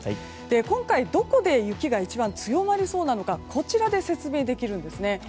今回、どこで雪が一番強まりそうなのかこちらで説明できるんですね。